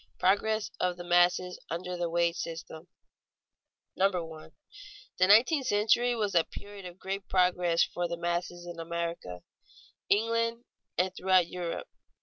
PROGRESS OF THE MASSES UNDER THE WAGE SYSTEM [Sidenote: The rise of money wages] 1. _The nineteenth century was a period of great progress for the masses in America, England, and throughout Europe.